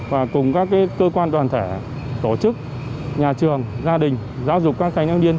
và cùng các cơ quan đoàn thể tổ chức nhà trường gia đình giáo dục các thành thiếu niên